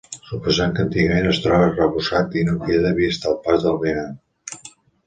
Suposem que antigament es troba arrebossat i no queda vist al pas del vianant.